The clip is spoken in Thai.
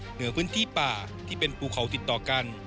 เหนือพื้นที่ป่าที่เป็นภูเขาติดต่อกัน